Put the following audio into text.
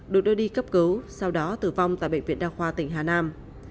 được đưa đi cấp cứu sau đó tử vong tại bệnh viện đa khoa tỉnh hà nam